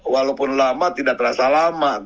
walaupun lama tidak terasa lama